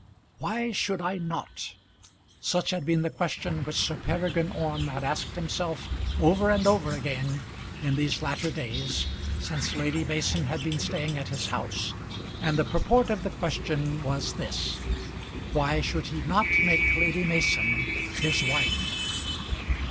Why should I not? Such had been the question which Sir Peregrine Orme had asked himself over and over again, in these latter days, since Lady Mason had been staying at his house; and the purport of the question was this: Why should he not make Lady Mason his wife?